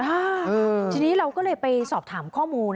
ทีนี้เราก็เลยไปสอบถามข้อมูล